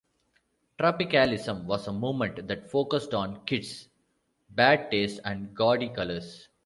Tropicalism was a movement that focused on kitsch, bad taste and gaudy colors.